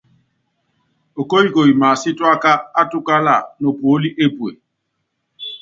Okóyikoyi másítuáka átukála nopuóli epue.